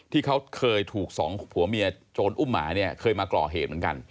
ที่เขาเคยถูกสองผัวเมียโจรอุ้มหมาเนี่ยเคยมาก่อเหตุเหมือนกัน